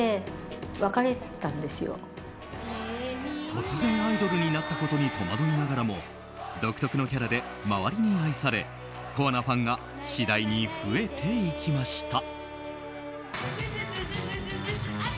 突然、アイドルになったことに戸惑いながらも独特のキャラで周りに愛されコアなファンが次第に増えていきました。